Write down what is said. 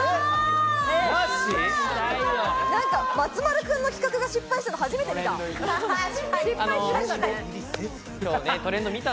松丸君の企画が失敗したの初めて見た。